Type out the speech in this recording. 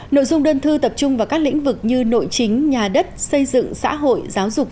nội dung đơn thư tập trung vào các lĩnh vực như nội chính nhà đất xây dựng xã hội giáo dục